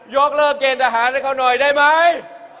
ยกเลิกเกณฑ์ทหารให้เขาหน่อยได้ไหม